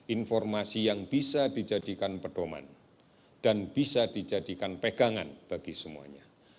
informasi yang bisa dijadikan pedoman dan bisa dijadikan pegangan bagi semuanya